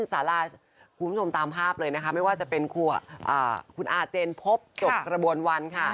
สาราคุณผู้ชมตามภาพเลยนะคะไม่ว่าจะเป็นคุณอาเจนพบจบกระบวนวันค่ะ